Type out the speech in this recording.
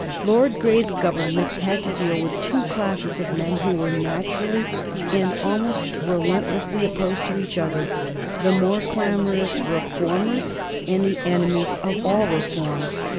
Lord Grey's Government had to deal with two classes of men who were naturally and almost relentlessly opposed to each other the more clamorous reformers and the enemies of all reform.